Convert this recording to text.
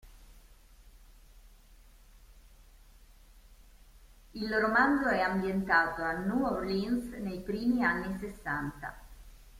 Il romanzo è ambientato a New Orleans nei primi anni sessanta.